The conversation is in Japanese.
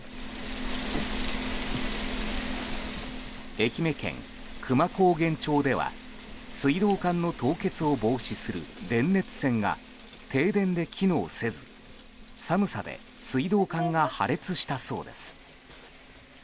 愛媛県久万高原町では水道管の凍結を防止する電熱線が停電で機能せず、寒さで水道管が破裂したそうです。